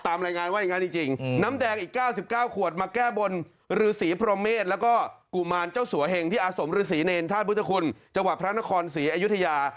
รายงานว่าอย่างนั้นจริงน้ำแดงอีก๙๙ขวดมาแก้บนฤษีพรหมเมษแล้วก็กุมารเจ้าสัวเหงที่อาสมฤษีเนรธาตุพุทธคุณจังหวัดพระนครศรีอยุธยา